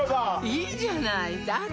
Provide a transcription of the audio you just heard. いいじゃないだって